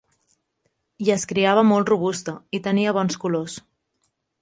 I es criava molt robusta, i tenia bons colors.